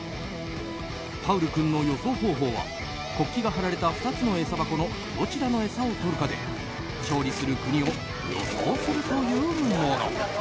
パウル君の予想方法は国旗が貼られた２つの餌箱のどちらの餌をとるかで勝利する国を予想するというもの。